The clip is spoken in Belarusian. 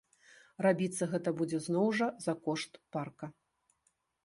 Рабіцца гэта будзе зноў жа за кошт парка.